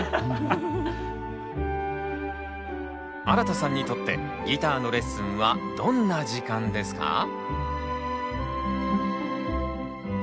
あらたさんにとってギターのレッスンはどんな時間ですか？